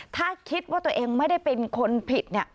ถ้าคิดว่าตัวเองไม่ได้เป็นคนผิดเนี่ย